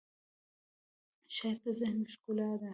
ښایست د ذهن ښکلا ده